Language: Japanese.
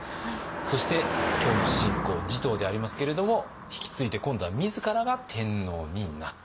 そして今日の主人公持統でありますけれども引き継いで今度は自らが天皇になった。